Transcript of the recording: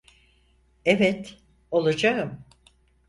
Evet, olacağım.